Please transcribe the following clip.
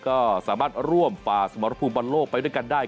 ก็สามารถร่วมฝ่าสมรภูมิบอลโลกไปด้วยกันได้